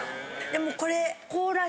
でもこれ。